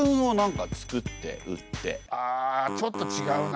あちょっと違うな。